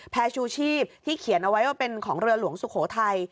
ชูชีพที่เขียนเอาไว้ว่าเป็นของเรือหลวงสุโขทัย